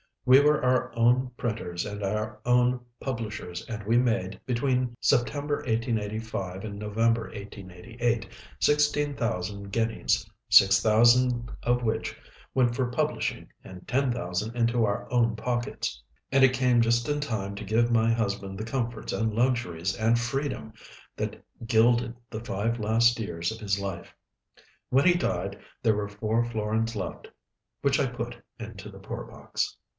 We were our own printers and our own publishers, and we made, between September 1885 and November 1888, sixteen thousand guineas six thousand of which went for publishing and ten thousand into our own pockets, and it came just in time to give my husband the comforts and luxuries and freedom that gilded the five last years of his life. When he died there were four florins left, which I put into the poor box."